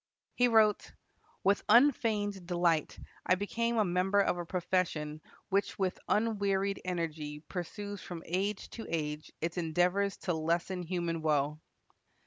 He wrote, "With unfeigned delight I became a member of a profession which with unwearied energy pursues from age to age its endeavors to lessen human woe."